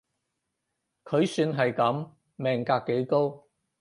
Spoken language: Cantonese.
佢算係噉，命格幾高